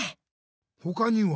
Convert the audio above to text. ほかには？